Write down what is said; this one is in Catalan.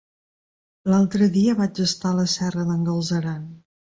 L'altre dia vaig estar a la Serra d'en Galceran.